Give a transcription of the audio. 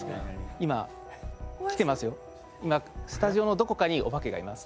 今スタジオのどこかにお化けがいます。